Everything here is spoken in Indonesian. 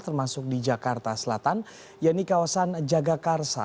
termasuk di jakarta selatan yaitu kawasan jagakarsa